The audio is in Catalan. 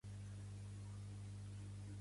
El format Exif és el més utilitzat.